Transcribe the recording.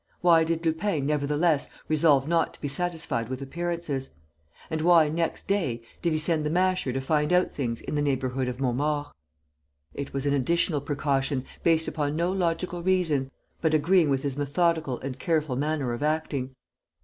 Why did Lupin, nevertheless, resolve not to be satisfied with appearances? And why, next day, did he send the Masher to find out things in the neighbourhood of Montmaur? It was an additional precaution, based upon no logical reason, but agreeing with his methodical and careful manner of acting.